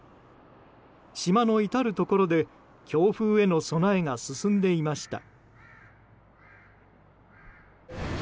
島の至るところで強風への備えが進んでいました。